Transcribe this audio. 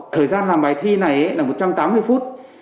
thời gian làm bài thi này là một trăm tám mươi phút